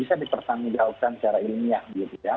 bisa dipertanggungjawabkan secara ilmiah gitu ya